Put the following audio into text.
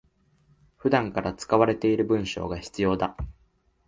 普段から使われている文章が必要だ